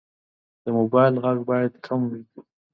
د موبایل غږ باید کم وي.